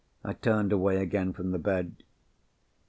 I turned away again from the bed.